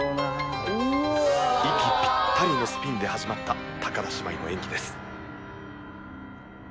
息ピッタリのスピンで始まった田姉妹の演技です。